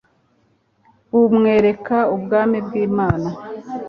bumwereka ubwami bw'imana